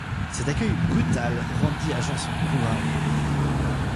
Cet accueil brutal rendit à Jean son courage.